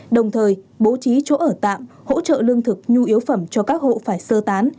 đồng thời bố trí chỗ ở tạm hỗ trợ lương thực nhu yếu phẩm cho các hộ phải sơ tán